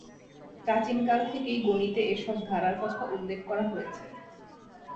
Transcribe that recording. প্রাচীন কাল থেকেই গণিতে এসব ধারার কথা উল্লেখ করা হয়েছে।